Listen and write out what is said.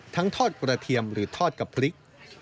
ทอดกระเทียมหรือทอดกับพริก